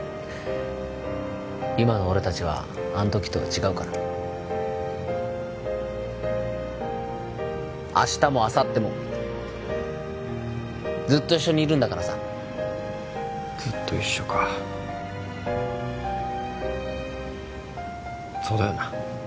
今の俺達はあん時とは違うから明日もあさってもずっと一緒にいるんだからさずっと一緒かそうだよな